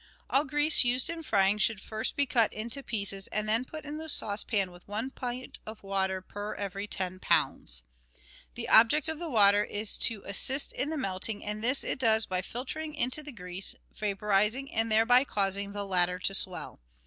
All grease used in frying should first be cut into pieces and then put into the saucepan with one pint of water per every ten lbs. The object of the water is to assist in the melting, and this it does by filtering into the grease, vaporising, and thereby causing the latter to swell.